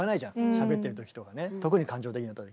しゃべってる時とかね特に感情的な時。